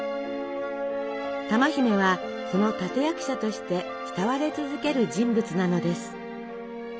珠姫はその立て役者として慕われ続ける人物なのです。